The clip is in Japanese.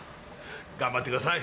頑張ってください。